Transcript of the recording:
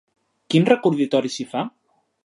Quin recordatori s'hi fa?